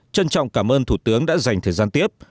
trân trọng cảm ơn thủ tướng đã dành thời gian tiếp